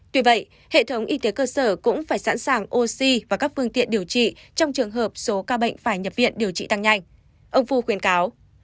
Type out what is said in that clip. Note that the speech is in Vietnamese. tuy vậy hệ thống y tế cơ sở cũng phải sẵn sàng oxy và các phương tiện điều trị trong trường hợp số ca bệnh phải nhập viện điều trị tăng nhanh ông phu khuyến cáo